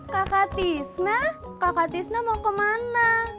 kakak tisna kakak tisna mau ke mana